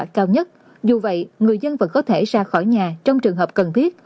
kết quả cao nhất dù vậy người dân vẫn có thể ra khỏi nhà trong trường hợp cần thiết